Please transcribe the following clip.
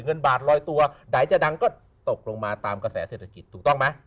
เงินบาทลอยตัวไหนจะดังก็ตกลงมาตามกระแสเศรษฐกิจถูกต้องไหม